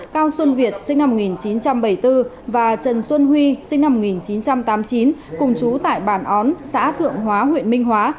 cao xuân việt sinh năm một nghìn chín trăm bảy mươi bốn và trần xuân huy sinh năm một nghìn chín trăm tám mươi chín cùng chú tại bản ón xã thượng hóa huyện minh hóa